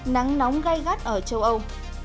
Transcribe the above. nắng nóng gai gắt ở châu âu